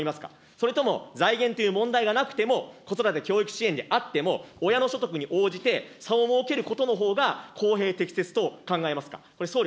それとも、財源という問題がなくても、子育て教育支援であっても、親の所得に応じて差を設けることのほうが公平適切と考えますか。